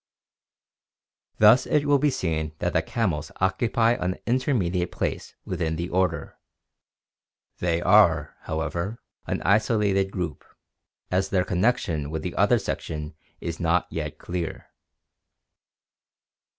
Thus it will be seen that the camels occupy an intermediate place within the order; they are, however, an isolated group, as their connection with the other sections Is not yet clear.